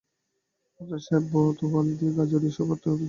আফসার সাহেব তোয়ালে দিয়ে গা জড়িয়ে শোবার ঘরে ঢুকলেন।